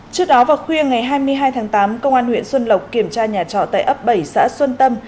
trước đó vào khuya ngày hai mươi hai tháng tám công an huyện xuân lộc kiểm tra nhà trọ tại ấp bảy xã xuân tâm